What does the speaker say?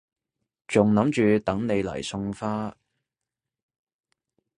仲諗住等你嚟送花